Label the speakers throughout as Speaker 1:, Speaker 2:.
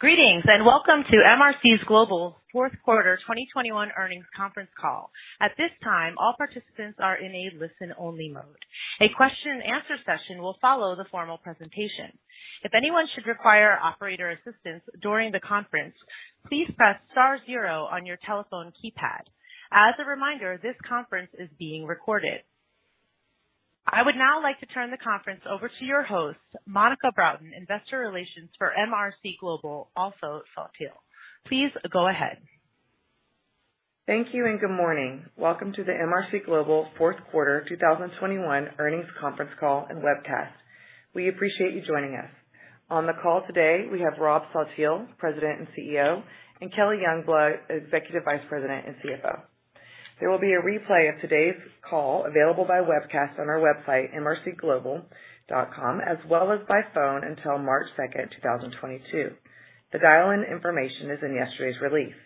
Speaker 1: Greetings, and welcome to MRC Global's fourth quarter 2021 earnings conference call. At this time, all participants are in a listen-only mode. A question-and-answer session will follow the formal presentation. If anyone should require operator assistance during the conference, please press star zero on your telephone keypad. As a reminder, this conference is being recorded. I would now like to turn the conference over to your host, Monica Broughton, Investor Relations for MRC Global, also Saltiel. Please go ahead.
Speaker 2: Thank you and good morning. Welcome to the MRC Global fourth quarter 2021 earnings conference call and webcast. We appreciate you joining us. On the call today, we have Rob Saltiel, President and CEO, and Kelly Youngblood, Executive Vice President and CFO. There will be a replay of today's call available by webcast on our website, mrcglobal.com, as well as by phone until March 2, 2022. The dial-in information is in yesterday's release.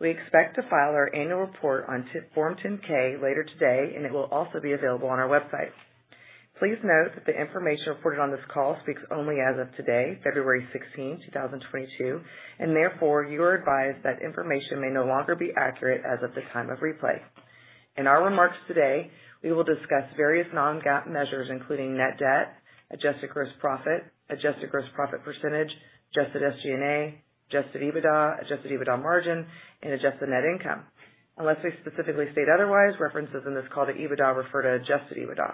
Speaker 2: We expect to file our annual report on Form 10-K later today, and it will also be available on our website. Please note that the information reported on this call speaks only as of today, February 16, 2022, and therefore you are advised that information may no longer be accurate as of the time of replay. In our remarks today, we will discuss various non-GAAP measures, including net debt, adjusted gross profit, adjusted gross profit percentage, adjusted SG&A, adjusted EBITDA, adjusted EBITDA margin, and adjusted net income. Unless we specifically state otherwise, references in this call to EBITDA refer to adjusted EBITDA.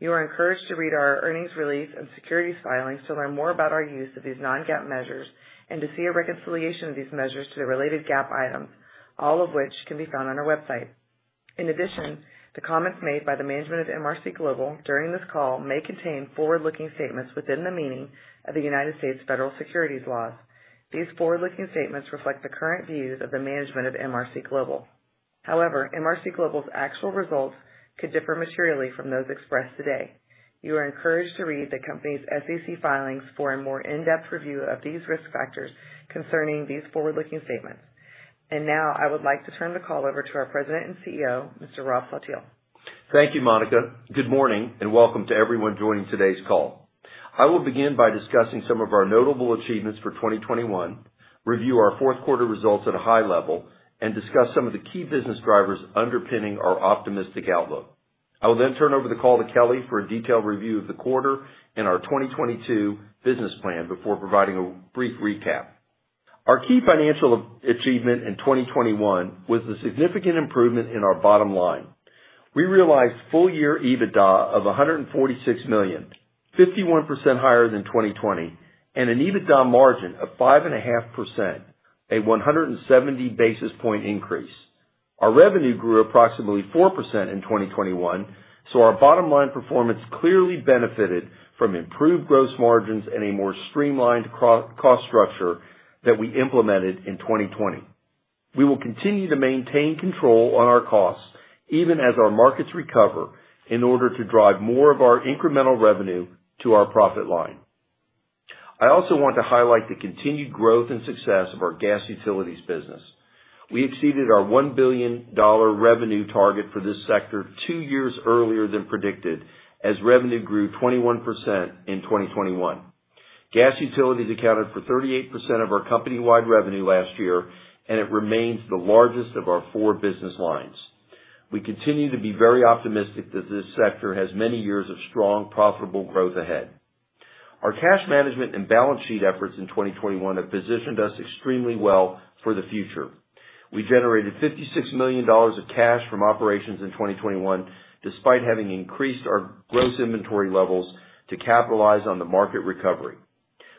Speaker 2: You are encouraged to read our earnings release and securities filings to learn more about our use of these non-GAAP measures and to see a reconciliation of these measures to the related GAAP items, all of which can be found on our website. In addition, the comments made by the management of MRC Global during this call may contain forward-looking statements within the meaning of the United States federal securities laws. These forward-looking statements reflect the current views of the management of MRC Global. However, MRC Global's actual results could differ materially from those expressed today. You are encouraged to read the company's SEC filings for a more in-depth review of these risk factors concerning these forward-looking statements. Now I would like to turn the call over to our President and CEO, Mr. Rob Saltiel.
Speaker 3: Thank you, Monica. Good morning, and welcome to everyone joining today's call. I will begin by discussing some of our notable achievements for 2021, review our fourth quarter results at a high level, and discuss some of the key business drivers underpinning our optimistic outlook. I will then turn over the call to Kelly for a detailed review of the quarter and our 2022 business plan before providing a brief recap. Our key financial achievement in 2021 was the significant improvement in our bottom line. We realized full year EBITDA of $146 million, 51% higher than 2020, and an EBITDA margin of 5.5%, a 170 basis point increase. Our revenue grew approximately 4% in 2021, so our bottom line performance clearly benefited from improved gross margins and a more streamlined cost structure that we implemented in 2020. We will continue to maintain control on our costs even as our markets recover in order to drive more of our incremental revenue to our profit line. I also want to highlight the continued growth and success of our gas utilities business. We exceeded our $1 billion revenue target for this sector two years earlier than predicted as revenue grew 21% in 2021. Gas utilities accounted for 38% of our company-wide revenue last year, and it remains the largest of our four business lines. We continue to be very optimistic that this sector has many years of strong, profitable growth ahead. Our cash management and balance sheet efforts in 2021 have positioned us extremely well for the future. We generated $56 million of cash from operations in 2021, despite having increased our gross inventory levels to capitalize on the market recovery.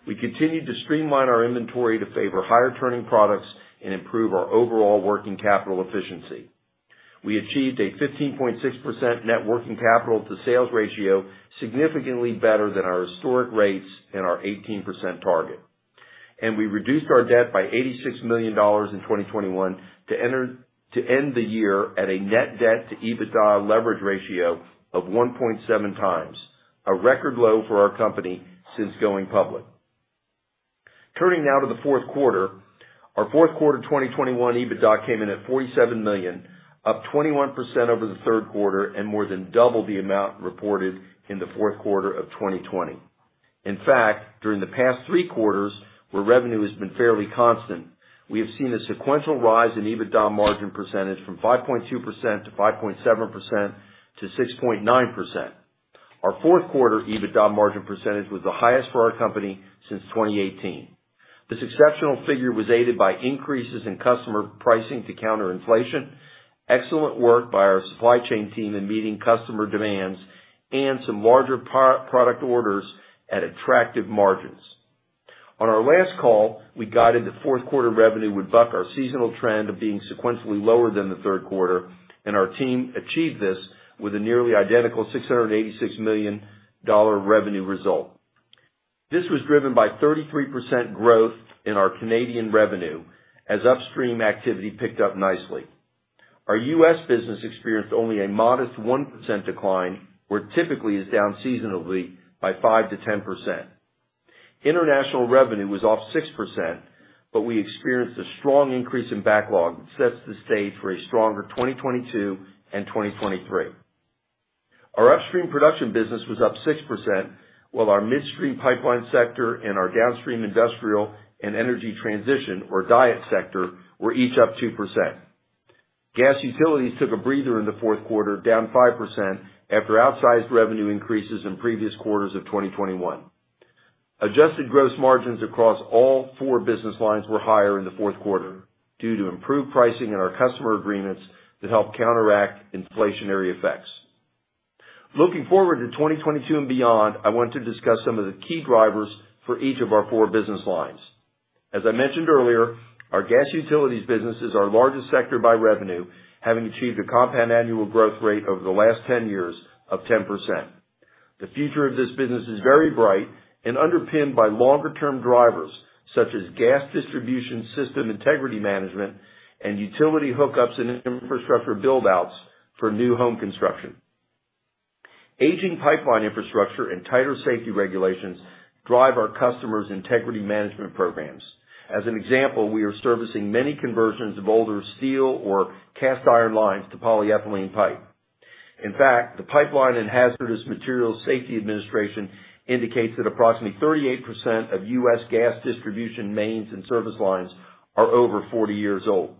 Speaker 3: We continued to streamline our inventory to favor higher turning products and improve our overall working capital efficiency. We achieved a 15.6% net working capital to sales ratio, significantly better than our historic rates and our 18% target. We reduced our debt by $86 million in 2021 to end the year at a net debt to EBITDA leverage ratio of 1.7x, a record low for our company since going public. Turning now to the fourth quarter. Our fourth quarter 2021 EBITDA came in at $47 million, up 21% over the third quarter and more than double the amount reported in the fourth quarter of 2020. In fact, during the past three quarters where revenue has been fairly constant, we have seen a sequential rise in EBITDA margin percentage from 5.2% to 5.7% to 6.9%. Our fourth quarter EBITDA margin percentage was the highest for our company since 2018. This exceptional figure was aided by increases in customer pricing to counter inflation, excellent work by our supply chain team in meeting customer demands, and some larger product orders at attractive margins. On our last call, we guided that fourth quarter revenue would buck our seasonal trend of being sequentially lower than the third quarter, and our team achieved this with a nearly identical $686 million revenue result. This was driven by 33% growth in our Canadian revenue as upstream activity picked up nicely. Our U.S. business experienced only a modest 1% decline, where typically it's down seasonably by 5%-10%. International revenue was off 6%, but we experienced a strong increase in backlog that sets the stage for a stronger 2022 and 2023. Our upstream production business was up 6%, while our midstream pipeline sector and our downstream industrial and energy transition or DIET sector were each up 2%. Gas utilities took a breather in the fourth quarter, down 5% after outsized revenue increases in previous quarters of 2021. Adjusted gross margins across all four business lines were higher in the fourth quarter due to improved pricing in our customer agreements that helped counteract inflationary effects. Looking forward to 2022 and beyond, I want to discuss some of the key drivers for each of our four business lines. As I mentioned earlier, our gas utilities business is our largest sector by revenue, having achieved a compound annual growth rate over the last 10 years of 10%. The future of this business is very bright and underpinned by longer-term drivers such as gas distribution, system integrity management, and utility hookups and infrastructure build-outs for new home construction. Aging pipeline infrastructure and tighter safety regulations drive our customers' integrity management programs. As an example, we are servicing many conversions of older steel or cast iron lines to polyethylene pipe. In fact, the Pipeline and Hazardous Materials Safety Administration indicates that approximately 38% of U.S. gas distribution mains and service lines are over 40 years old.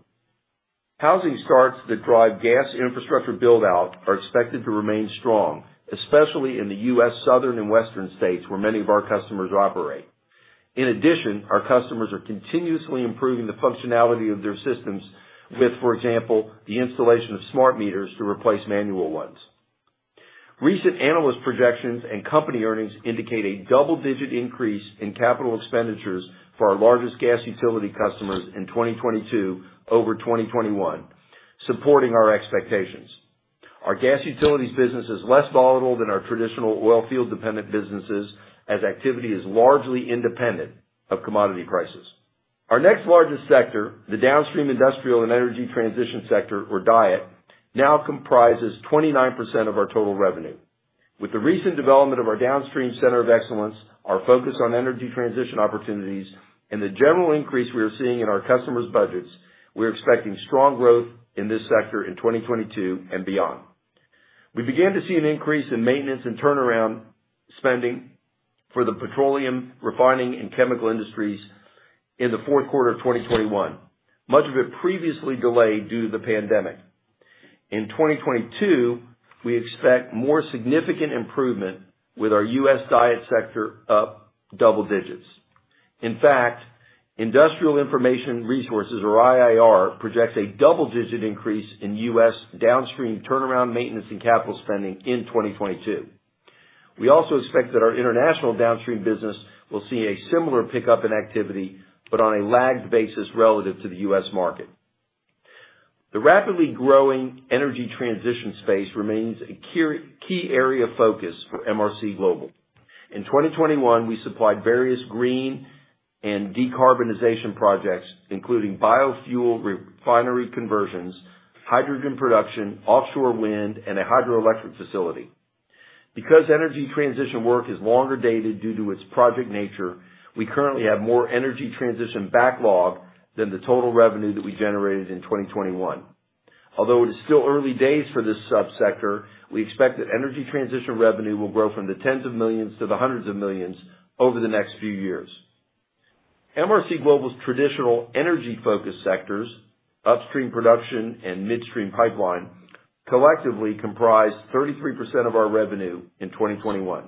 Speaker 3: Housing starts that drive gas infrastructure build-out are expected to remain strong, especially in the U.S. Southern and Western states, where many of our customers operate. In addition, our customers are continuously improving the functionality of their systems with, for example, the installation of smart meters to replace manual ones. Recent analyst projections and company earnings indicate a double-digit increase in capital expenditures for our largest gas utility customers in 2022 over 2021, supporting our expectations. Our gas utilities business is less volatile than our traditional oil field-dependent businesses as activity is largely independent of commodity prices. Our next largest sector, the downstream industrial and energy transition sector, or DIET, now comprises 29% of our total revenue. With the recent development of our Downstream Center of Excellence, our focus on energy transition opportunities and the general increase we are seeing in our customers' budgets, we're expecting strong growth in this sector in 2022 and beyond. We began to see an increase in maintenance and turnaround spending for the petroleum refining and chemical industries in the fourth quarter of 2021, much of it previously delayed due to the pandemic. In 2022, we expect more significant improvement with our U.S. DIET sector up double digits. In fact, Industrial Info Resources, or IIR, projects a double-digit increase in U.S. downstream turnaround maintenance and capital spending in 2022. We also expect that our international downstream business will see a similar pickup in activity, but on a lagged basis relative to the U.S. market. The rapidly growing energy transition space remains a key area of focus for MRC Global. In 2021, we supplied various green and decarbonization projects, including biofuel refinery conversions, hydrogen production, offshore wind, and a hydroelectric facility. Because energy transition work is longer dated due to its project nature, we currently have more energy transition backlog than the total revenue that we generated in 2021. Although it is still early days for this subsector, we expect that energy transition revenue will grow from the tens of millions to the hundreds of millions over the next few years. MRC Global's traditional energy-focused sectors, upstream production and midstream pipeline, collectively comprise 33% of our revenue in 2021.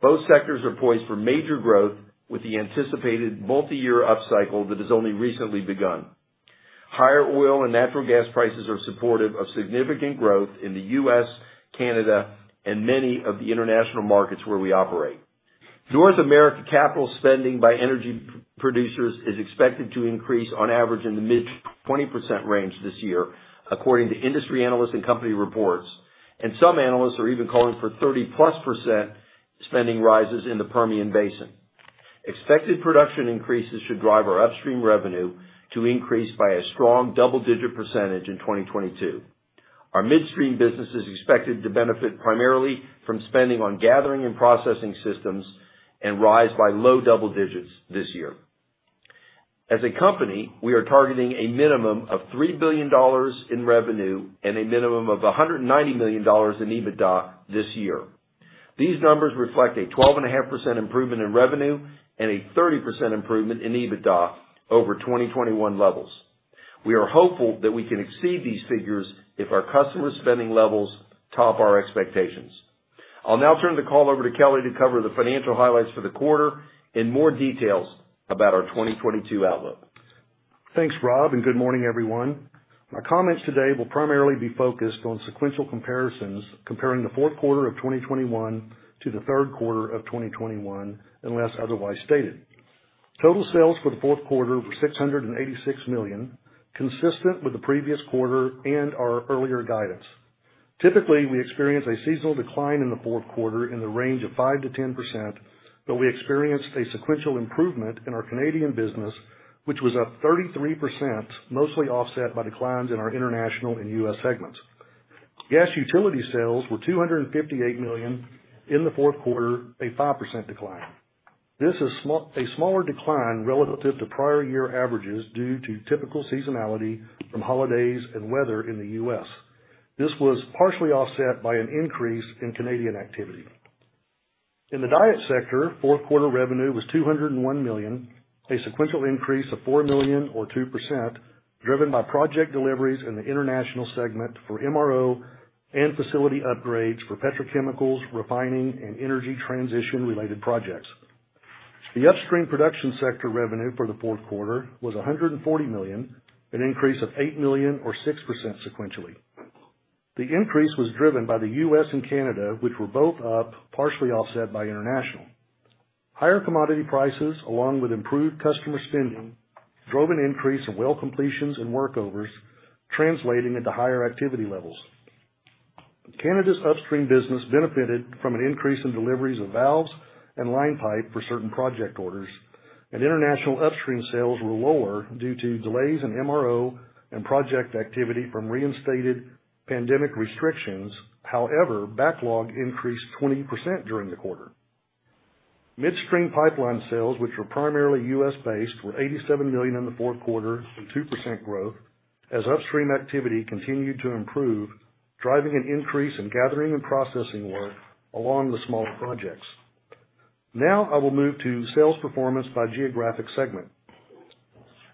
Speaker 3: Both sectors are poised for major growth with the anticipated multiyear upcycle that has only recently begun. Higher oil and natural gas prices are supportive of significant growth in the U.S., Canada, and many of the international markets where we operate. North American capital spending by energy producers is expected to increase on average in the mid-20% range this year, according to industry analysts and company reports, and some analysts are even calling for 30%+ spending rises in the Permian Basin. Expected production increases should drive our upstream revenue to increase by a strong double-digit percentage in 2022. Our midstream business is expected to benefit primarily from spending on gathering and processing systems and rise by low double-digit this year. As a company, we are targeting a minimum of $3 billion in revenue and a minimum of $190 million in EBITDA this year. These numbers reflect a 12.5% improvement in revenue and a 30% improvement in EBITDA over 2021 levels. We are hopeful that we can exceed these figures if our customer spending levels top our expectations. I'll now turn the call over to Kelly to cover the financial highlights for the quarter and more details about our 2022 outlook.
Speaker 4: Thanks, Rob, and good morning, everyone. My comments today will primarily be focused on sequential comparisons comparing the fourth quarter of 2021 to the third quarter of 2021, unless otherwise stated. Total sales for the fourth quarter were $686 million, consistent with the previous quarter and our earlier guidance. Typically, we experience a seasonal decline in the fourth quarter in the range of 5%-10%, but we experienced a sequential improvement in our Canadian business, which was up 33%, mostly offset by declines in our international and U.S. segments. Gas utility sales were $258 million in the fourth quarter, a 5% decline. This is a smaller decline relative to prior year averages due to typical seasonality from holidays and weather in the U.S. This was partially offset by an increase in Canadian activity. In the DIET sector, fourth quarter revenue was $201 million, a sequential increase of $4 million or 2%, driven by project deliveries in the international segment for MRO and facility upgrades for petrochemicals, refining, and energy transition-related projects. The upstream production sector revenue for the fourth quarter was $140 million, an increase of $8 million or 6% sequentially. The increase was driven by the U.S. and Canada, which were both up, partially offset by international. Higher commodity prices, along with improved customer spending, drove an increase in well completions and workovers, translating into higher activity levels. Canada's upstream business benefited from an increase in deliveries of valves and line pipe for certain project orders, and international upstream sales were lower due to delays in MRO and project activity from reinstated pandemic restrictions. However, backlog increased 20% during the quarter. Midstream pipeline sales, which were primarily U.S.-based, were $87 million in the fourth quarter from 2% growth as upstream activity continued to improve, driving an increase in gathering and processing work along with smaller projects. Now I will move to sales performance by geographic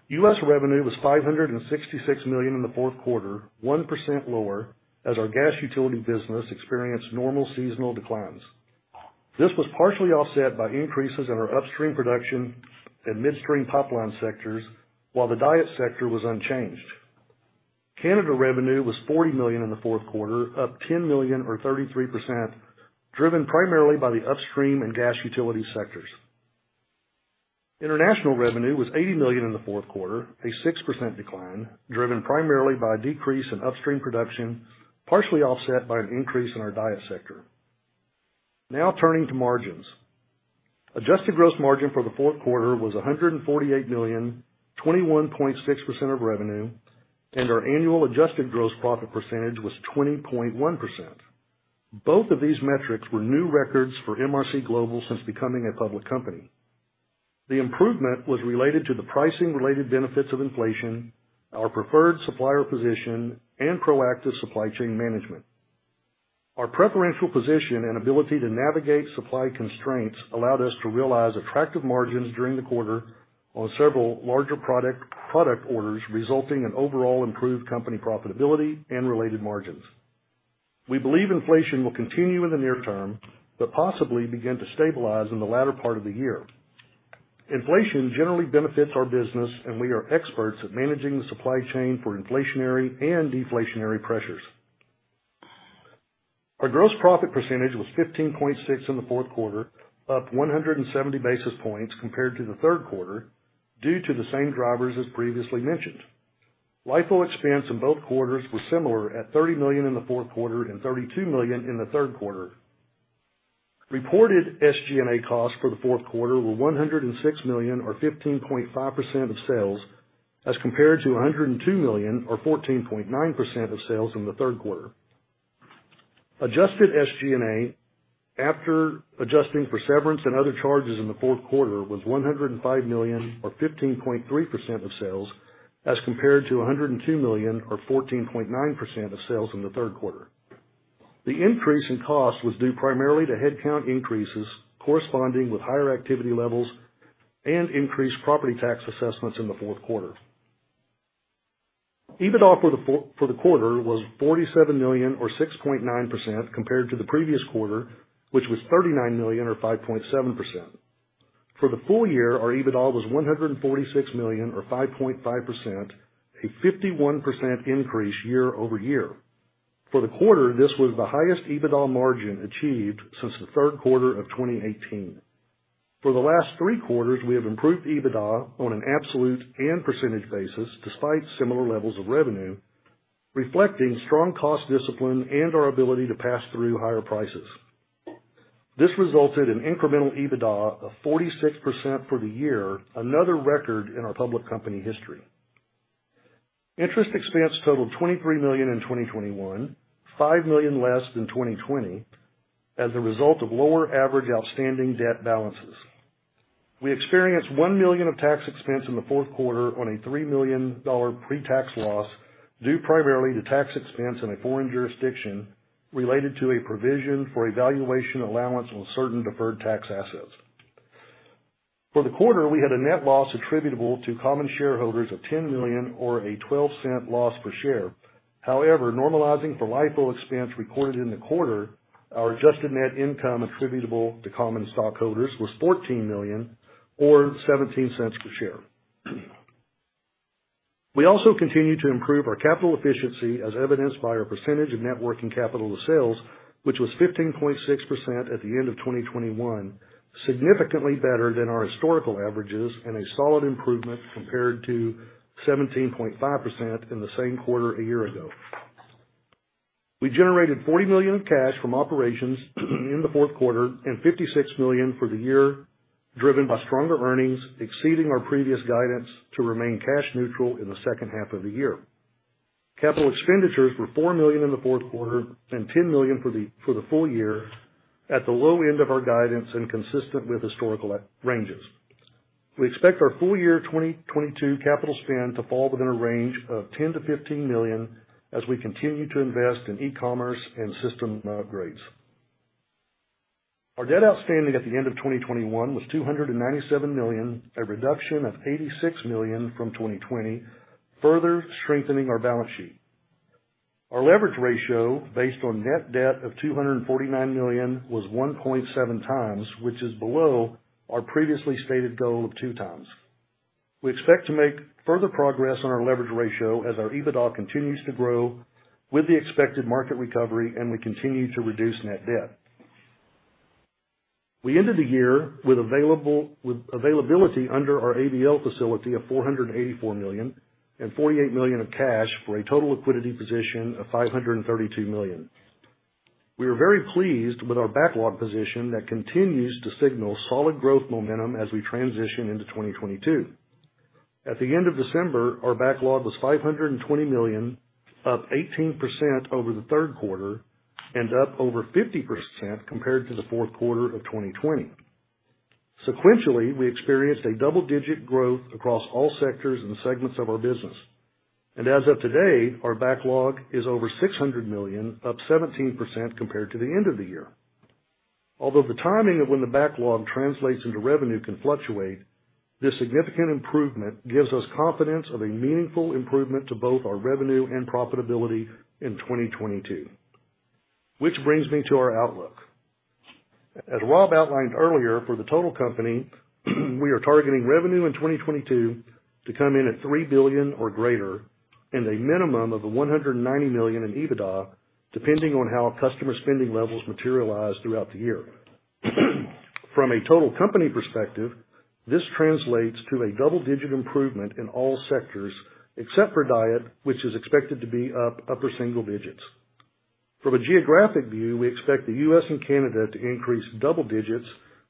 Speaker 4: segment. U.S. revenue was $566 million in the fourth quarter, 1% lower as our gas utility business experienced normal seasonal declines. This was partially offset by increases in our upstream production and midstream pipeline sectors, while the DIET sector was unchanged. Canada revenue was $40 million in the fourth quarter, up $10 million or 33%, driven primarily by the upstream and gas utility sectors. International revenue was $80 million in the fourth quarter, a 6% decline driven primarily by a decrease in upstream production, partially offset by an increase in our DIET sector. Now turning to margins. Adjusted gross margin for the fourth quarter was $148 million, 21.6% of revenue, and our annual adjusted gross profit percentage was 20.1%. Both of these metrics were new records for MRC Global since becoming a public company. The improvement was related to the pricing-related benefits of inflation, our preferred supplier position, and proactive supply chain management. Our preferential position and ability to navigate supply constraints allowed us to realize attractive margins during the quarter on several larger product orders, resulting in overall improved company profitability and related margins. We believe inflation will continue in the near term, but possibly begin to stabilize in the latter part of the year. Inflation generally benefits our business, and we are experts at managing the supply chain for inflationary and deflationary pressures. Our gross profit percentage was 15.6% in the fourth quarter, up 170 basis points compared to the third quarter due to the same drivers as previously mentioned. LIFO expense in both quarters was similar at $30 million in the fourth quarter and $32 million in the third quarter. Reported SG&A costs for the fourth quarter were $106 million or 15.5% of sales as compared to $102 million or 14.9% of sales in the third quarter. Adjusted SG&A after adjusting for severance and other charges in the fourth quarter was $105 million or 15.3% of sales as compared to $102 million or 14.9% of sales in the third quarter. The increase in cost was due primarily to headcount increases corresponding with higher activity levels and increased property tax assessments in the fourth quarter. EBITDA for the quarter was $47 million or 6.9% compared to the previous quarter, which was $39 million or 5.7%. For the full year, our EBITDA was $146 million or 5.5%, a 51% increase year-over-year. For the quarter, this was the highest EBITDA margin achieved since the third quarter of 2018. For the last three quarters, we have improved EBITDA on an absolute and percentage basis despite similar levels of revenue, reflecting strong cost discipline and our ability to pass through higher prices. This resulted in incremental EBITDA of 46% for the year, another record in our public company history. Interest expense totaled $23 million in 2021, $5 million less than 2020 as a result of lower average outstanding debt balances. We experienced $1 million of tax expense in the fourth quarter on a $3 million pre-tax loss, due primarily to tax expense in a foreign jurisdiction related to a provision for a valuation allowance on certain deferred tax assets. For the quarter, we had a net loss attributable to common shareholders of $10 million or a $0.12 loss per share. However, normalizing for LIFO expense recorded in the quarter, our adjusted net income attributable to common stockholders was $14 million or $0.17 per share. We also continued to improve our capital efficiency as evidenced by our percentage of net working capital to sales, which was 15.6% at the end of 2021, significantly better than our historical averages and a solid improvement compared to 17.5% in the same quarter a year ago. We generated $40 million of cash from operations in the fourth quarter and $56 million for the year, driven by stronger earnings exceeding our previous guidance to remain cash neutral in the second half of the year. Capital expenditures were $4 million in the fourth quarter and $10 million for the full year, at the low end of our guidance and consistent with historical ranges. We expect our full year 2022 capital spend to fall within a range of $10 million-$15 million as we continue to invest in e-commerce and system upgrades. Our debt outstanding at the end of 2021 was $297 million, a reduction of $86 million from 2020, further strengthening our balance sheet. Our leverage ratio, based on net debt of $249 million, was 1.7 times, which is below our previously stated goal of two times. We expect to make further progress on our leverage ratio as our EBITDA continues to grow with the expected market recovery, and we continue to reduce net debt. We ended the year with availability under our ABL facility of $484 million and $48 million of cash for a total liquidity position of $532 million. We are very pleased with our backlog position that continues to signal solid growth momentum as we transition into 2022. At the end of December, our backlog was $520 million, up 18% over the third quarter and up over 50% compared to the fourth quarter of 2020. Sequentially, we experienced a double-digit growth across all sectors and segments of our business. As of today, our backlog is over $600 million, up 17% compared to the end of the year. Although the timing of when the backlog translates into revenue can fluctuate, this significant improvement gives us confidence of a meaningful improvement to both our revenue and profitability in 2022. Which brings me to our outlook. As Rob outlined earlier, for the total company, we are targeting revenue in 2022 to come in at $3 billion or greater and a minimum of $190 million in EBITDA, depending on how customer spending levels materialize throughout the year. From a total company perspective, this translates to a double-digit improvement in all sectors, except for DIET, which is expected to be upper single digits. From a geographic view, we expect the U.S. and Canada to increase double digits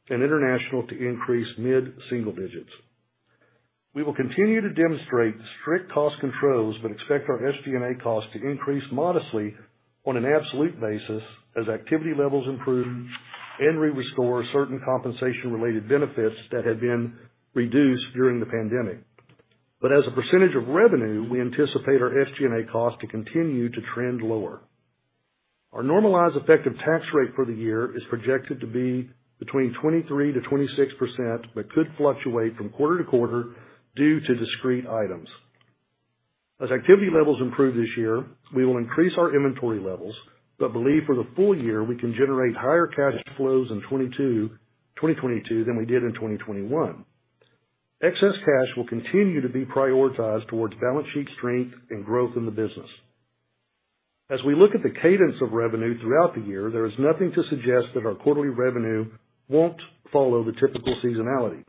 Speaker 4: and international to increase mid-single digits. We will continue to demonstrate strict cost controls, but expect our SG&A cost to increase modestly on an absolute basis as activity levels improve and we restore certain compensation-related benefits that had been reduced during the pandemic. As a percentage of revenue, we anticipate our SG&A cost to continue to trend lower. Our normalized effective tax rate for the year is projected to be between 23%-26% but could fluctuate from quarter to quarter due to discrete items. As activity levels improve this year, we will increase our inventory levels but believe for the full year, we can generate higher cash flows in 2022 than we did in 2021. Excess cash will continue to be prioritized towards balance sheet strength and growth in the business. As we look at the cadence of revenue throughout the year, there is nothing to suggest that our quarterly revenue won't follow the typical seasonality.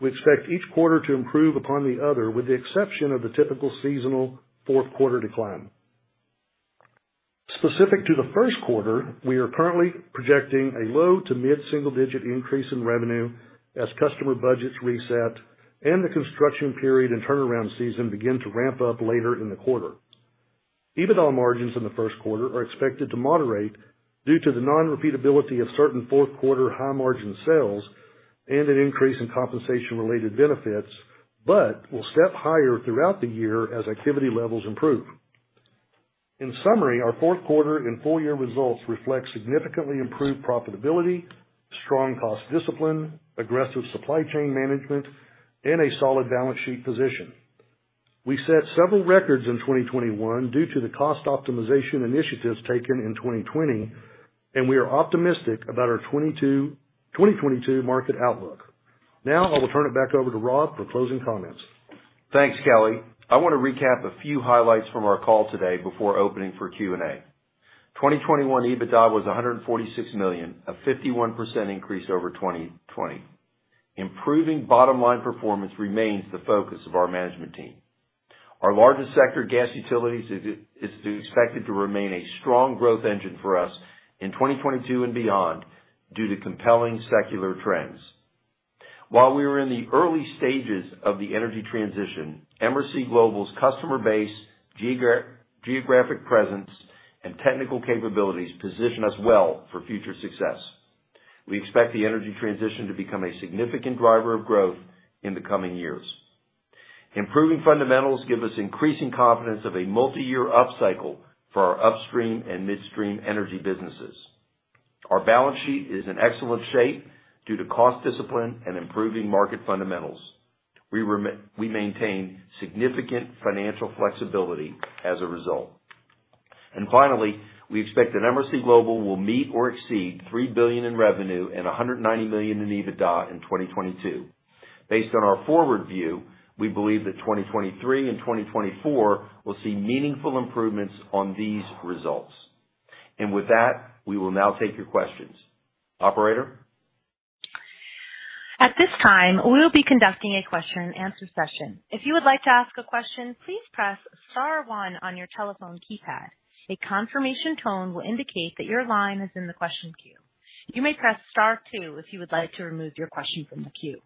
Speaker 4: We expect each quarter to improve upon the other, with the exception of the typical seasonal fourth quarter decline. Specific to the first quarter, we are currently projecting a low to mid-single digit increase in revenue as customer budgets reset and the construction period and turnaround season begin to ramp up later in the quarter. EBITDA margins in the first quarter are expected to moderate due to the non-repeatability of certain fourth quarter high-margin sales and an increase in compensation-related benefits, but will step higher throughout the year as activity levels improve. In summary, our fourth quarter and full year results reflect significantly improved profitability, strong cost discipline, aggressive supply chain management, and a solid balance sheet position. We set several records in 2021 due to the cost optimization initiatives taken in 2020, and we are optimistic about our 2022 market outlook. Now I will turn it back over to Rob for closing comments.
Speaker 3: Thanks, Kelly. I wanna recap a few highlights from our call today before opening for Q&A. 2021 EBITDA was $146 million, a 51% increase over 2020. Improving bottom-line performance remains the focus of our management team. Our largest sector, Gas Utilities, is expected to remain a strong growth engine for us in 2022 and beyond due to compelling secular trends. While we are in the early stages of the energy transition, MRC Global's customer base, geographic presence, and technical capabilities position us well for future success. We expect the energy transition to become a significant driver of growth in the coming years. Improving fundamentals give us increasing confidence of a multi-year upcycle for our upstream and midstream energy businesses. Our balance sheet is in excellent shape due to cost discipline and improving market fundamentals. We maintain significant financial flexibility as a result. Finally, we expect that MRC Global will meet or exceed $3 billion in revenue and $190 million in EBITDA in 2022. Based on our forward view, we believe that 2023 and 2024 will see meaningful improvements on these results. With that, we will now take your questions. Operator?
Speaker 1: At this time, we will be conducting a question-and-answer session. If you would like to ask a question, please press star one on your telephone keypad. A confirmation tone will indicate that your line is in the question queue. You may press star two if you would like to remove your question from the queue.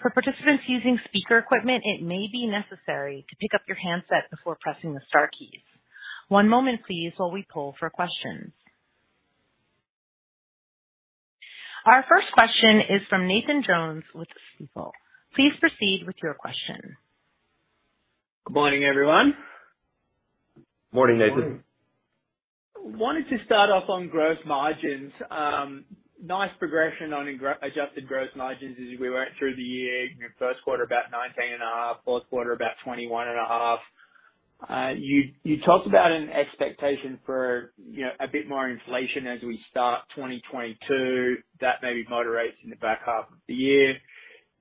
Speaker 1: For participants using speaker equipment, it may be necessary to pick up your handset before pressing the star key. One moment please while we poll for questions. Our first question is from Nathan Jones with Stifel. Please proceed with your question.
Speaker 5: Good morning, everyone.
Speaker 3: Morning, Nathan.
Speaker 5: Wanted to start off on gross margins. Nice progression on adjusted gross margins as we went through the year. First quarter about 19.5%, fourth quarter about 21.5%. You talked about an expectation for, you know, a bit more inflation as we start 2022. That maybe moderates in the back half of the year.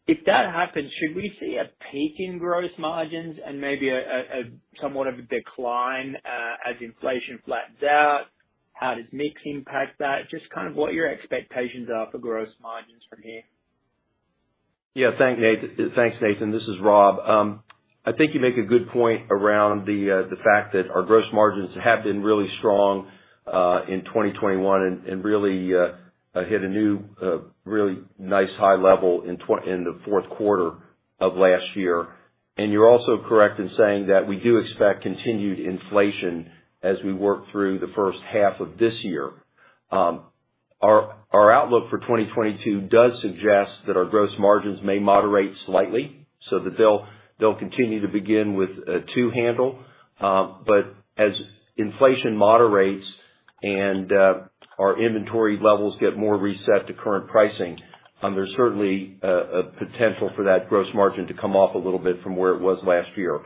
Speaker 5: If that happens, should we see a peak in gross margins and maybe a somewhat of a decline as inflation flattens out? How does mix impact that? Just kind of what your expectations are for gross margins from here.
Speaker 3: Yeah. Thanks, Nathan. This is Rob. I think you make a good point around the fact that our gross margins have been really strong in 2021 and really hit a new really nice high level in the fourth quarter of last year. You're also correct in saying that we do expect continued inflation as we work through the first half of this year. Our outlook for 2022 does suggest that our gross margins may moderate slightly, so that they'll continue to begin with a two handle. As inflation moderates and our inventory levels get more reset to current pricing, there's certainly a potential for that gross margin to come off a little bit from where it was last year.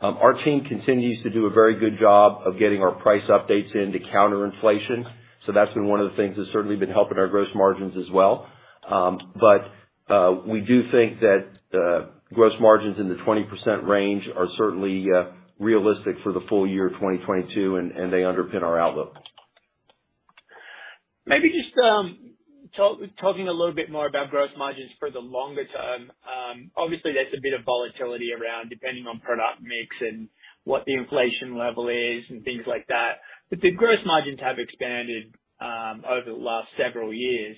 Speaker 3: Our team continues to do a very good job of getting our price updates in to counter inflation. That's been one of the things that's certainly been helping our gross margins as well. But we do think that gross margins in the 20% range are certainly realistic for the full year of 2022, and they underpin our outlook.
Speaker 5: Maybe just talk a little bit more about gross margins for the longer term. Obviously there's a bit of volatility around depending on product mix and what the inflation level is and things like that, but the gross margins have expanded over the last several years.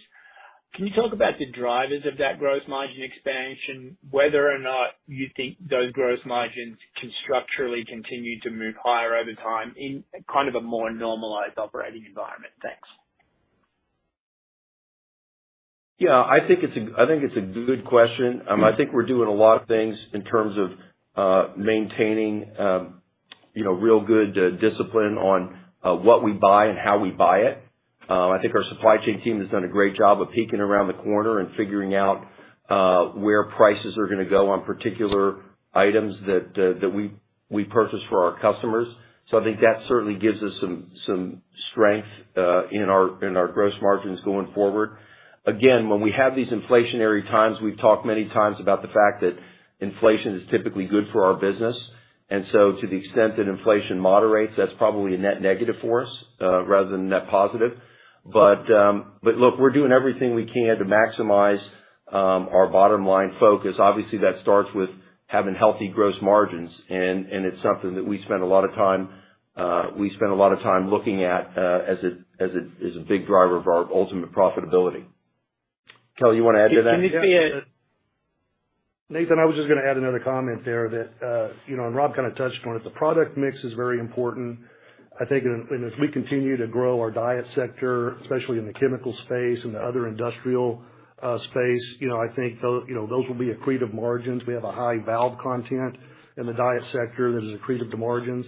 Speaker 5: Can you talk about the drivers of that gross margin expansion? Whether or not you think those gross margins can structurally continue to move higher over time in kind of a more normalized operating environment? Thanks.
Speaker 3: Yeah. I think it's a good question. I think we're doing a lot of things in terms of maintaining you know real good discipline on what we buy and how we buy it. I think our supply chain team has done a great job of peeking around the corner and figuring out where prices are gonna go on particular items that we purchase for our customers. So I think that certainly gives us some strength in our gross margins going forward. Again, when we have these inflationary times, we've talked many times about the fact that inflation is typically good for our business. To the extent that inflation moderates, that's probably a net negative for us rather than a net positive. Look, we're doing everything we can to maximize our bottom line focus. Obviously, that starts with having healthy gross margins and it's something that we spend a lot of time looking at as a big driver of our ultimate profitability. Kelly, you wanna add to that?
Speaker 4: Yeah.
Speaker 5: Can this be a-
Speaker 4: Nathan, I was just gonna add another comment there that, you know, and Rob kinda touched on it. The product mix is very important. I think as we continue to grow our DIET sector, especially in the chemical space and the other industrial space, you know, I think those will be accretive margins. We have a high valve content in the DIET sector that is accretive to margins.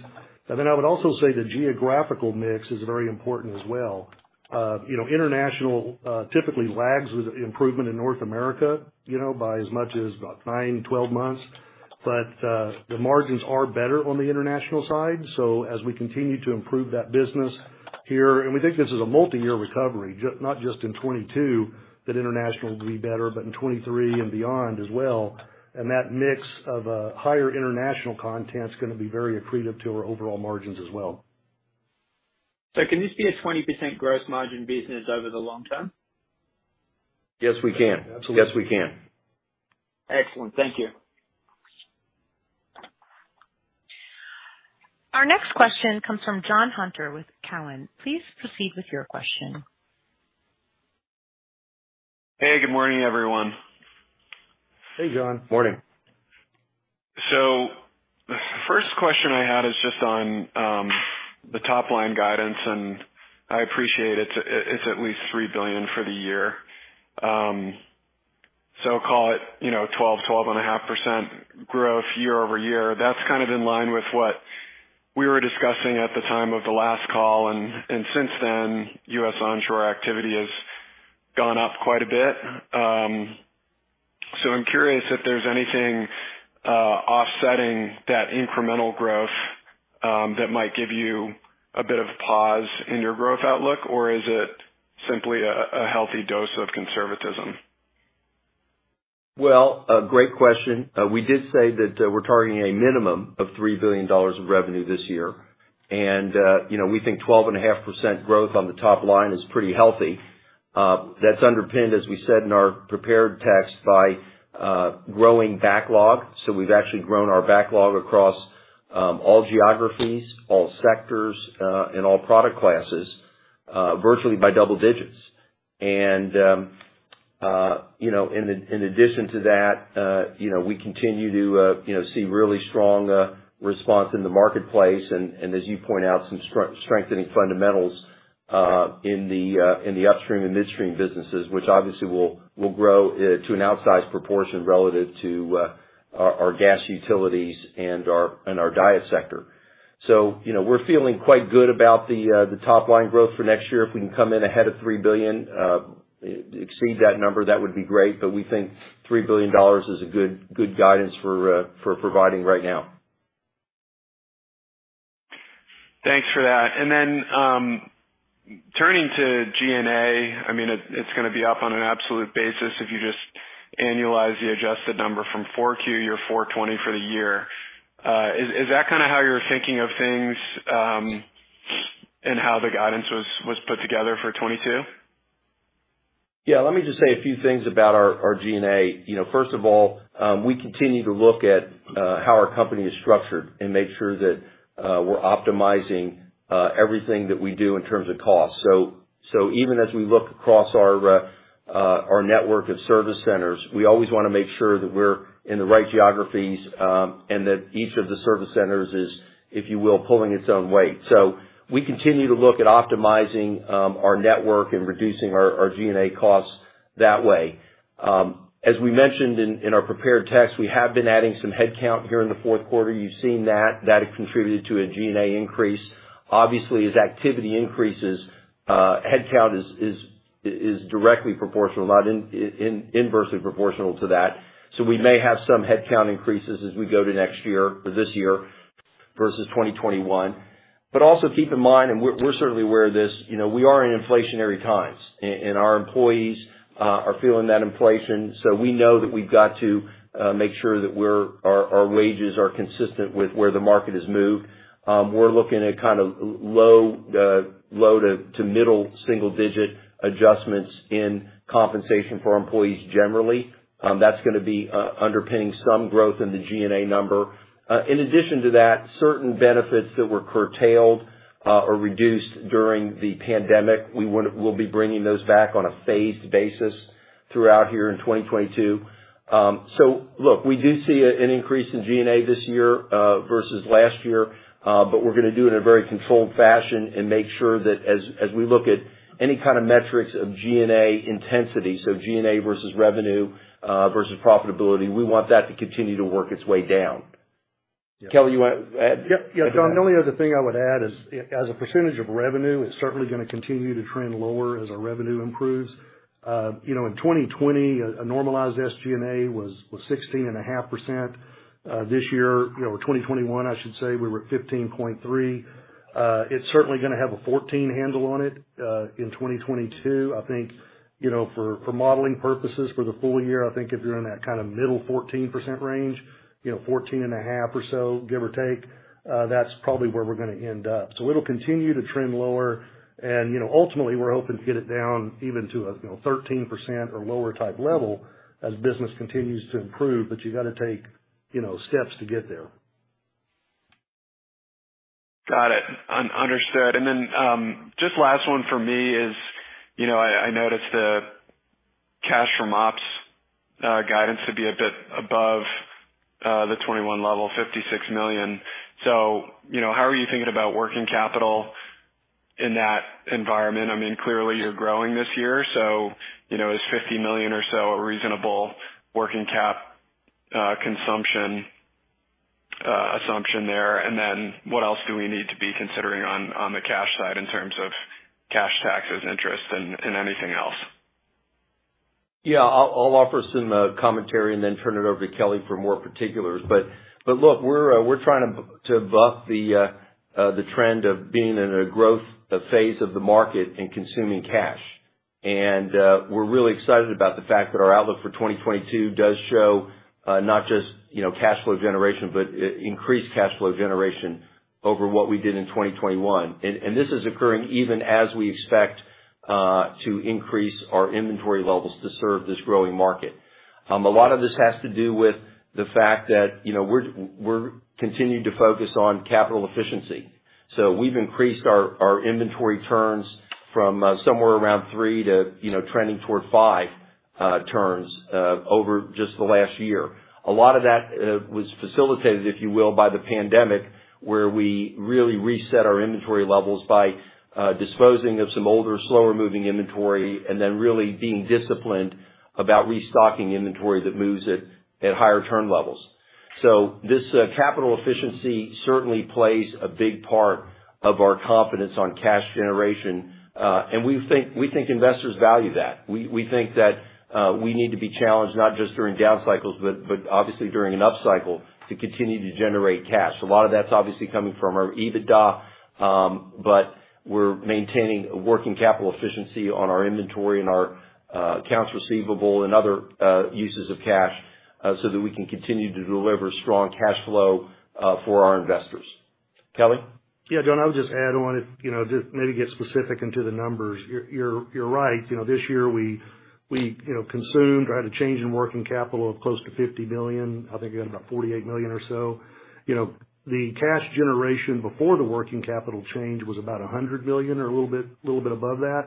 Speaker 4: Then I would also say the geographical mix is very important as well. You know, international typically lags with improvement in North America, you know, by as much as about 9-12 months. The margins are better on the international side. as we continue to improve that business here, and we think this is a multi-year recovery, not just in 2022, that international will be better, but in 2023 and beyond as well. That mix of a higher international content is gonna be very accretive to our overall margins as well.
Speaker 5: Can this be a 20% gross margin business over the long term?
Speaker 3: Yes, we can.
Speaker 4: Absolutely.
Speaker 3: Yes, we can.
Speaker 5: Excellent. Thank you.
Speaker 1: Our next question comes from John Hunter with Cowen. Please proceed with your question.
Speaker 6: Hey, good morning, everyone.
Speaker 4: Hey, John.
Speaker 3: Morning.
Speaker 6: The first question I had is just on the top line guidance, and I appreciate it's at least $3 billion for the year. Call it, you know, 12%-12.5% growth year-over-year. That's kind of in line with what we were discussing at the time of the last call, and since then, U.S. onshore activity has gone up quite a bit. I'm curious if there's anything offsetting that incremental growth that might give you a bit of pause in your growth outlook, or is it simply a healthy dose of conservatism?
Speaker 3: Well, a great question. We did say that we're targeting a minimum of $3 billion of revenue this year. You know, we think 12.5% growth on the top line is pretty healthy. That's underpinned, as we said in our prepared text, by growing backlog. We've actually grown our backlog across all geographies, all sectors, and all product classes, virtually by double digits. You know, in addition to that, you know, we continue to see really strong response in the marketplace and, as you point out, some strengthening fundamentals in the upstream and midstream businesses, which obviously will grow to an outsized proportion relative to our gas utilities and our DIET sector. You know, we're feeling quite good about the top line growth for next year. If we can come in ahead of $3 billion, exceed that number, that would be great, but we think $3 billion is a good guidance for providing right now.
Speaker 6: Thanks for that. Then, turning to G&A, I mean, it's gonna be up on an absolute basis if you just annualize the adjusted number from Q4, you get $420 for the year. Is that kind of how you're thinking of things, and how the guidance was put together for 2022?
Speaker 3: Yeah, let me just say a few things about our SG&A. You know, first of all, we continue to look at how our company is structured and make sure that we're optimizing everything that we do in terms of cost. Even as we look across our network of service centers, we always wanna make sure that we're in the right geographies, and that each of the service centers is, if you will, pulling its own weight. We continue to look at optimizing our network and reducing our SG&A costs that way. As we mentioned in our prepared text, we have been adding some headcount here in the fourth quarter. You've seen that. That has contributed to a SG&A increase. Obviously, as activity increases, headcount is directly proportional, not inversely proportional to that. We may have some headcount increases as we go to next year or this year versus 2021. Also keep in mind, and we're certainly aware of this, you know, we are in inflationary times and our employees are feeling that inflation. We know that we've got to make sure that we're, our wages are consistent with where the market has moved. We're looking at kind of low to middle single digit adjustments in compensation for our employees generally. That's gonna be underpinning some growth in the G&A number. In addition to that, certain benefits that were curtailed or reduced during the pandemic, we'll be bringing those back on a phased basis throughout here in 2022. Look, we do see an increase in SG&A this year versus last year, but we're gonna do it in a very controlled fashion and make sure that as we look at any kind of metrics of SG&A intensity, so SG&A versus revenue versus profitability, we want that to continue to work its way down. Kelly, you wanna add?
Speaker 4: Yeah. Yeah, John, the only other thing I would add is, as a percentage of revenue, it's certainly gonna continue to trend lower as our revenue improves. You know, in 2020, a normalized SG&A was 16.5%. This year, you know, or 2021, I should say, we were 15.3%. It's certainly gonna have a 14% handle on it, in 2022. I think, you know, for modeling purposes for the full year, I think if you're in that kind of middle 14% range, you know, 14.5% or so, give or take, that's probably where we're gonna end up. It'll continue to trend lower. You know, ultimately, we're hoping to get it down even to a, you know, 13% or lower type level as business continues to improve, but you gotta take, you know, steps to get there.
Speaker 6: Got it. Understood. Just last one for me is, you know, I noticed the cash from ops guidance to be a bit above the 21 level, $56 million. You know, how are you thinking about working capital in that environment? I mean, clearly you're growing this year, you know, is $50 million or so a reasonable working cap consumption assumption there? What else do we need to be considering on the cash side in terms of cash taxes, interest, and anything else?
Speaker 3: Yeah. I'll offer some commentary and then turn it over to Kelly for more particulars. Look, we're trying to buck the trend of being in a growth phase of the market and consuming cash. This is occurring even as we expect to increase our inventory levels to serve this growing market. A lot of this has to do with the fact that, you know, we're continuing to focus on capital efficiency. We've increased our inventory turns from somewhere around three to, you know, trending toward five turns over just the last year. A lot of that was facilitated, if you will, by the pandemic, where we really reset our inventory levels by disposing of some older, slower moving inventory and then really being disciplined about restocking inventory that moves at higher turn levels. This capital efficiency certainly plays a big part of our confidence on cash generation. We think investors value that. We think that we need to be challenged not just during down cycles, but obviously during an upcycle to continue to generate cash. A lot of that's obviously coming from our EBITDA, but we're maintaining a working capital efficiency on our inventory and our accounts receivable and other uses of cash, so that we can continue to deliver strong cash flow for our investors. Kelly?
Speaker 4: Yeah, John, I would just add on if, you know, just maybe get specific into the numbers. You're right. You know, this year we you know, consumed or had a change in working capital of close to $50 million. I think you had about $48 million or so. You know, the cash generation before the working capital change was about $100 million or a little bit above that.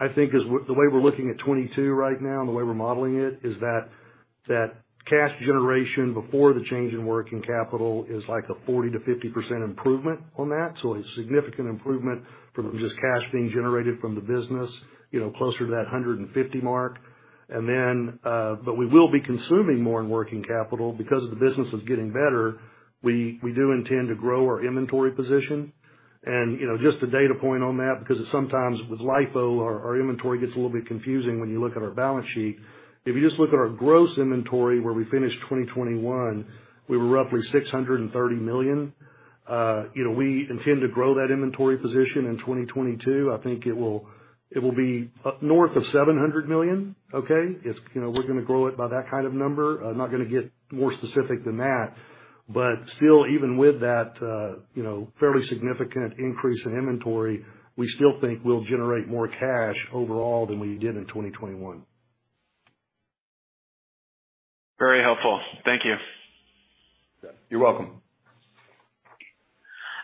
Speaker 4: I think the way we're looking at 2022 right now and the way we're modeling it is that that cash generation before the change in working capital is like a 40%-50% improvement on that. A significant improvement from just cash being generated from the business, you know, closer to that $150 million mark. We will be consuming more in working capital because the business is getting better. We do intend to grow our inventory position. You know, just a data point on that because sometimes with LIFO, our inventory gets a little bit confusing when you look at our balance sheet. If you just look at our gross inventory where we finished 2021, we were roughly $630 million. You know, we intend to grow that inventory position in 2022. I think it will be up north of $700 million, okay? It's, you know, we're gonna grow it by that kind of number. I'm not gonna get more specific than that. Even with that, you know, fairly significant increase in inventory, we still think we'll generate more cash overall than we did in 2021.
Speaker 6: Very helpful. Thank you.
Speaker 4: You're welcome.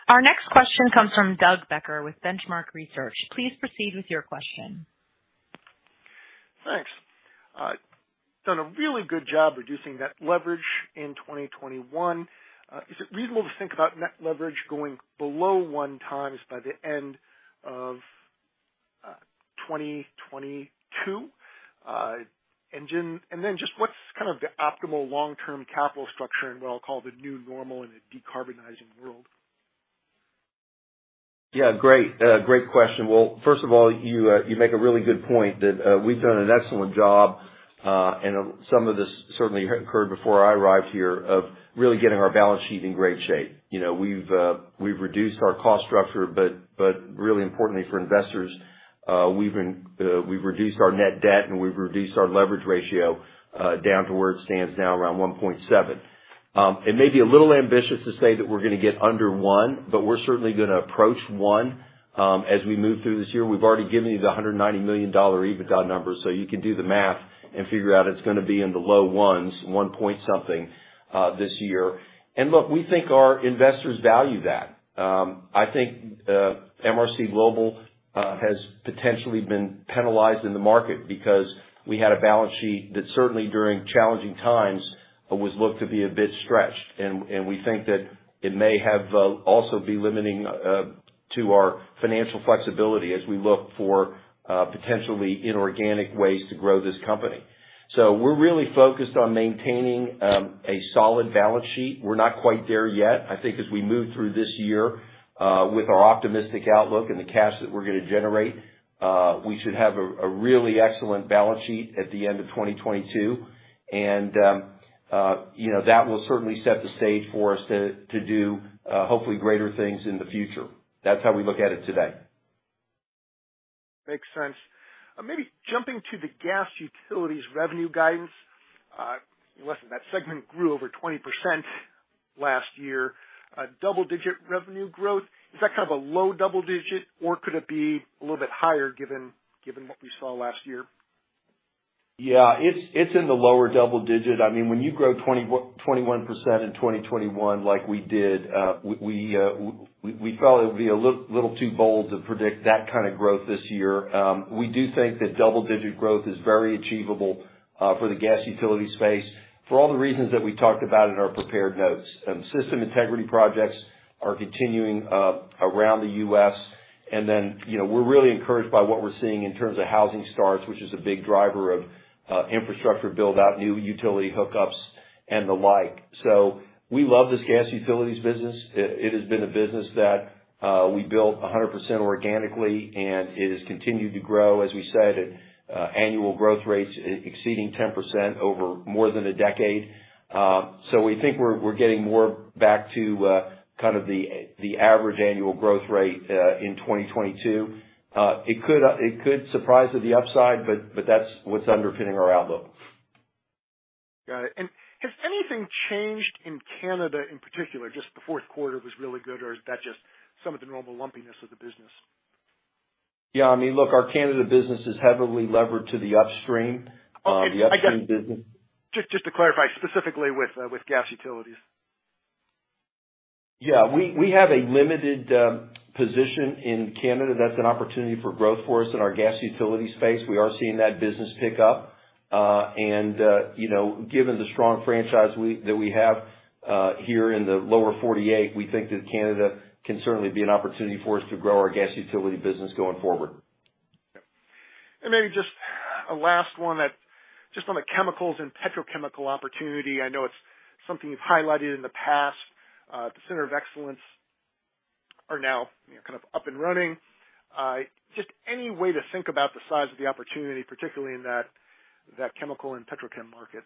Speaker 1: Our next question comes from Doug Becker with Benchmark Research. Please proceed with your question.
Speaker 7: Thanks. You've done a really good job reducing net leverage in 2021. Is it reasonable to think about net leverage going below 1x by the end of 2022? Just what's kind of the optimal long-term capital structure in what I'll call the new normal in a decarbonizing world?
Speaker 3: Yeah, great. Great question. Well, first of all, you make a really good point that we've done an excellent job, and some of this certainly occurred before I arrived here, of really getting our balance sheet in great shape. You know, we've reduced our cost structure, but really importantly for investors, we've reduced our net debt, and we've reduced our leverage ratio down to where it stands now around 1.7. It may be a little ambitious to say that we're gonna get under one, but we're certainly gonna approach one as we move through this year. We've already given you the $190 million EBITDA number, so you can do the math and figure out it's gonna be in the low 1s, 1 point something, this year. Look, we think our investors value that. I think MRC Global has potentially been penalized in the market because we had a balance sheet that certainly during challenging times was looked to be a bit stretched. We think that it may have also be limiting to our financial flexibility as we look for potentially inorganic ways to grow this company. We're really focused on maintaining a solid balance sheet. We're not quite there yet. I think as we move through this year with our optimistic outlook and the cash that we're gonna generate we should have a really excellent balance sheet at the end of 2022. You know, that will certainly set the stage for us to do hopefully greater things in the future. That's how we look at it today.
Speaker 7: Makes sense. Maybe jumping to the gas utilities revenue guidance. Listen, that segment grew over 20% last year. Double-digit revenue growth, is that kind of a low double digit, or could it be a little bit higher given what we saw last year?
Speaker 3: Yeah, it's in the lower double-digit. I mean, when you grow 21% in 2021 like we did, we felt it would be a little too bold to predict that kind of growth this year. We do think that double-digit growth is very achievable for the gas utility space for all the reasons that we talked about in our prepared notes. System integrity projects are continuing around the U.S. Then, you know, we're really encouraged by what we're seeing in terms of housing starts, which is a big driver of infrastructure build-out, new utility hookups, and the like. We love this gas utilities business. It has been a business that we built 100% organically, and it has continued to grow, as we said, at annual growth rates exceeding 10% over more than a decade. We think we're getting more back to kind of the average annual growth rate in 2022. It could surprise to the upside, but that's what's underpinning our outlook.
Speaker 7: Got it. Has anything changed in Canada in particular? Just the fourth quarter was really good, or is that just some of the normal lumpiness of the business?
Speaker 3: Yeah. I mean, look, our Canada business is heavily levered to the upstream. The upstream business-
Speaker 7: Just to clarify, specifically with gas utilities.
Speaker 3: Yeah. We have a limited position in Canada that's an opportunity for growth for us in our gas utility space. We are seeing that business pick up. You know, given the strong franchise that we have here in the lower 48, we think that Canada can certainly be an opportunity for us to grow our gas utility business going forward.
Speaker 7: Maybe just a last one that just on the chemicals and petrochemical opportunity, I know it's something you've highlighted in the past. The Center of Excellence are now, you know, kind of up and running. Just any way to think about the size of the opportunity, particularly in that chemical and petrochem market,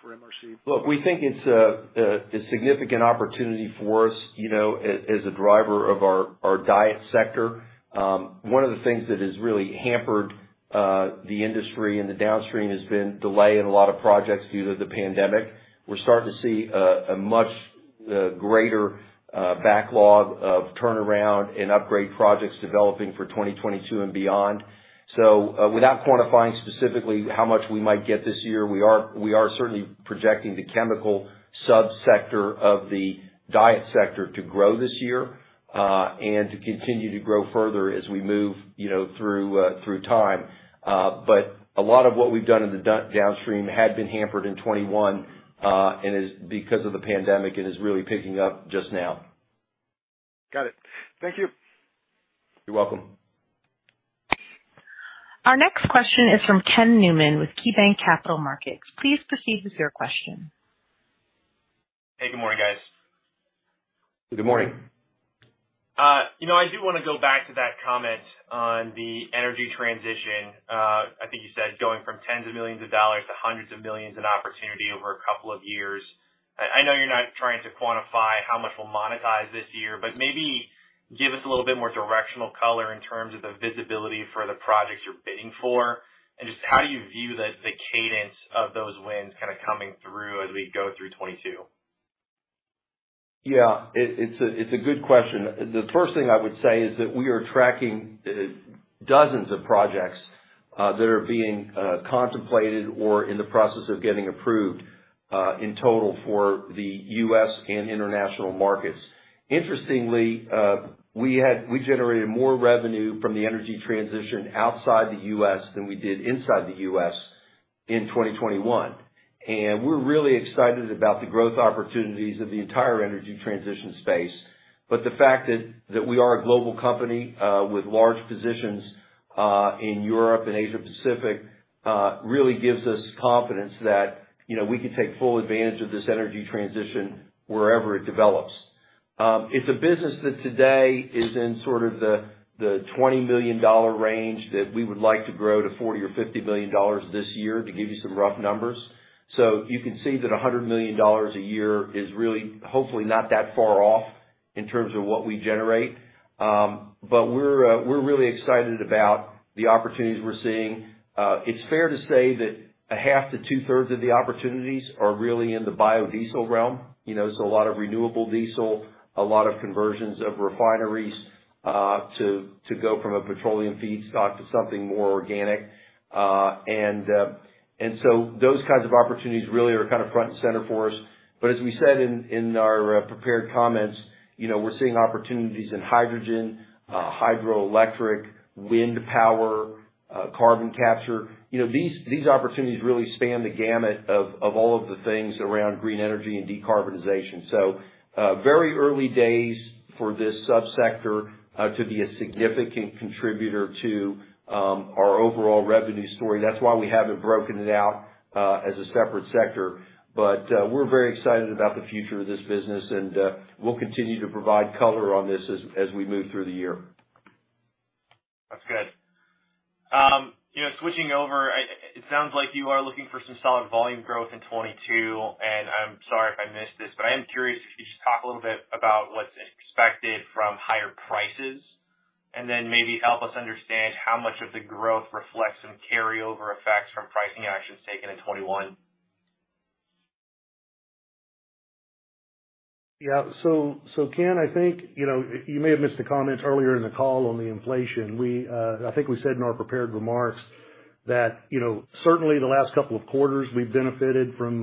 Speaker 7: for MRC.
Speaker 3: Look, we think it's a significant opportunity for us, you know, as a driver of our DIET sector. One of the things that has really hampered the industry and the Downstream has been delay in a lot of projects due to the pandemic. We're starting to see a much greater backlog of turnaround and upgrade projects developing for 2022 and beyond. Without quantifying specifically how much we might get this year, we are certainly projecting the chemical sub-sector of the DIET sector to grow this year, and to continue to grow further as we move, you know, through time. A lot of what we've done in the downstream had been hampered in 2021, and is because of the pandemic and is really picking up just now.
Speaker 7: Got it. Thank you.
Speaker 3: You're welcome.
Speaker 1: Our next question is from Ken Newman with KeyBanc Capital Markets. Please proceed with your question.
Speaker 8: Hey, good morning, guys.
Speaker 3: Good morning.
Speaker 8: You know, I do wanna go back to that comment on the energy transition. I think you said going from $10s of millions to $100s of millions in opportunity over a couple of years. I know you're not trying to quantify how much we'll monetize this year, but maybe give us a little bit more directional color in terms of the visibility for the projects you're bidding for. Just how do you view the cadence of those wins kinda coming through as we go through 2022?
Speaker 3: Yeah. It's a good question. The first thing I would say is that we are tracking dozens of projects that are being contemplated or in the process of getting approved in total for the U.S. and international markets. Interestingly, we generated more revenue from the energy transition outside the U.S. than we did inside the U.S. in 2021. We're really excited about the growth opportunities of the entire energy transition space. The fact that we are a global company with large positions in Europe and Asia Pacific really gives us confidence that, you know, we can take full advantage of this energy transition wherever it develops. It's a business that today is in sort of the $20 million range that we would like to grow to $40 million or $50 million this year, to give you some rough numbers. You can see that $100 million a year is really, hopefully not that far off in terms of what we generate. But we're really excited about the opportunities we're seeing. It's fair to say that a half to two-thirds of the opportunities are really in the biodiesel realm. You know, so a lot of renewable diesel, a lot of conversions of refineries to go from a petroleum feedstock to something more organic. And so those kinds of opportunities really are kind of front and center for us. As we said in our prepared comments, we're seeing opportunities in hydrogen, hydroelectric, wind power, carbon capture. These opportunities really span the gamut of all of the things around green energy and decarbonization. Very early days for this sub-sector to be a significant contributor to our overall revenue story. That's why we haven't broken it out as a separate sector. We're very excited about the future of this business, and we'll continue to provide color on this as we move through the year.
Speaker 8: That's good. You know, switching over, it sounds like you are looking for some solid volume growth in 2022, and I'm sorry if I missed this, but I am curious if you could just talk a little bit about what's expected from higher prices, and then maybe help us understand how much of the growth reflects some carryover effects from pricing actions taken in 2021.
Speaker 4: Yeah. Ken, I think you know, you may have missed a comment earlier in the call on the inflation. We, I think, we said in our prepared remarks that you know, certainly the last couple of quarters we've benefited from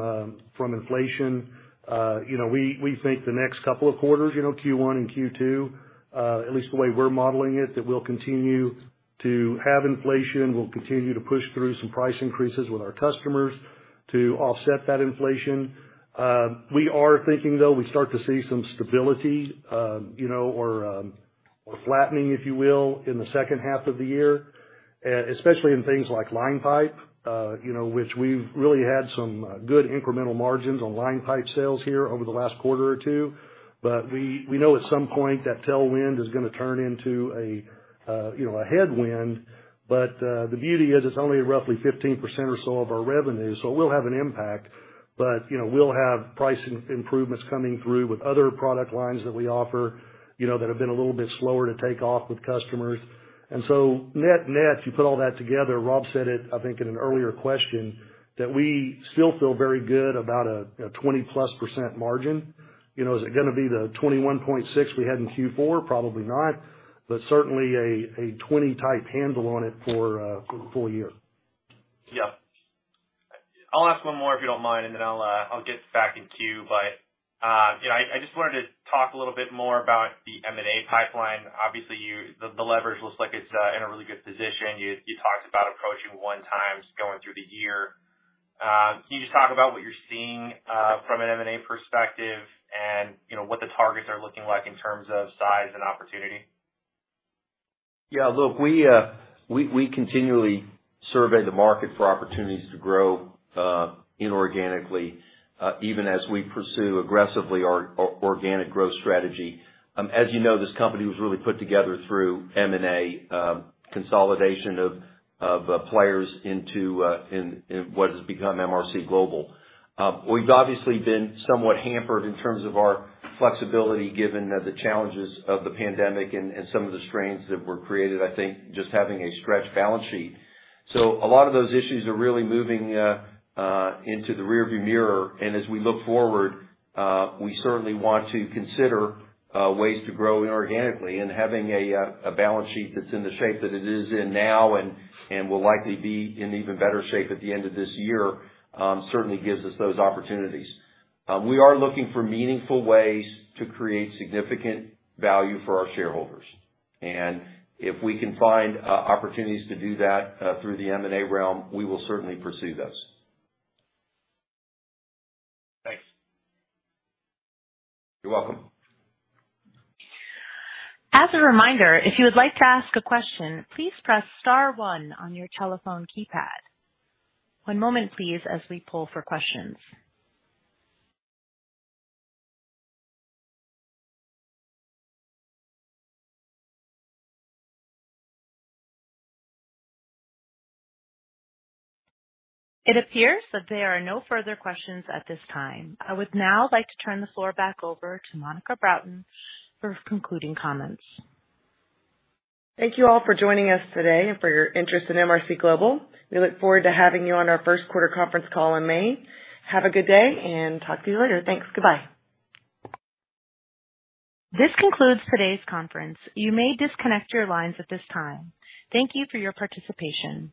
Speaker 4: inflation. You know, we think the next couple of quarters you know, Q1 and Q2 at least the way we're modeling it, that we'll continue to have inflation. We'll continue to push through some price increases with our customers to offset that inflation. We are thinking, though, we start to see some stability you know, or flattening, if you will, in the second half of the year especially in things like line pipe you know, which we've really had some good incremental margins on line pipe sales here over the last quarter or two. We know at some point that tailwind is gonna turn into a you know a headwind. The beauty is it's only roughly 15% or so of our revenue, so it will have an impact. We'll have price improvements coming through with other product lines that we offer you know that have been a little bit slower to take off with customers. Net-net, you put all that together, Rob said it, I think, in an earlier question, that we still feel very good about a 20%+ margin. Is it gonna be the 21.6 we had in Q4? Probably not. Certainly a 20-type handle on it for full year.
Speaker 8: Yeah. I'll ask one more if you don't mind, and then I'll get back in queue. You know, I just wanted to talk a little bit more about the M&A pipeline. Obviously, the leverage looks like it's in a really good position. You talked about approaching 1 times going through the year. Can you just talk about what you're seeing from an M&A perspective and, you know, what the targets are looking like in terms of size and opportunity?
Speaker 3: Yeah. Look, we continually survey the market for opportunities to grow inorganically, even as we pursue aggressively our organic growth strategy. As you know, this company was really put together through M&A, consolidation of players into what has become MRC Global. We've obviously been somewhat hampered in terms of our flexibility given the challenges of the pandemic and some of the strains that were created, I think, just having a stretched balance sheet. A lot of those issues are really moving into the rearview mirror. As we look forward, we certainly want to consider ways to grow inorganically and having a balance sheet that's in the shape that it is in now and will likely be in even better shape at the end of this year, certainly gives us those opportunities. We are looking for meaningful ways to create significant value for our shareholders. If we can find opportunities to do that, through the M&A realm, we will certainly pursue those.
Speaker 8: Thanks.
Speaker 3: You're welcome.
Speaker 1: As a reminder, if you would like to ask a question, please press star one on your telephone keypad. One moment, please, as we poll for questions. It appears that there are no further questions at this time. I would now like to turn the floor back over to Monica Broughton for concluding comments.
Speaker 2: Thank you all for joining us today and for your interest in MRC Global. We look forward to having you on our first quarter conference call in May. Have a good day and talk to you later. Thanks. Goodbye.
Speaker 1: This concludes today's conference. You may disconnect your lines at this time. Thank you for your participation.